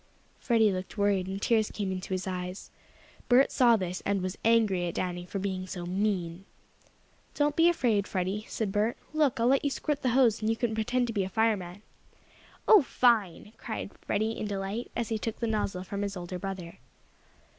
Freddie looked worried, and tears came into his eyes. Bert saw this, and was angry at Danny for being so mean. "Don't be afraid, Freddie," said Bert, "Look, I'll let you squirt the hose, and you can pretend to be a fireman." "Oh, fine!" cried Freddie, in delight, as he took the nozzle from his older brother.